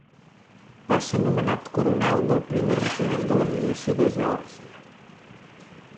Va ser nomenat coronel del primer regiment de la milícia de Geòrgia.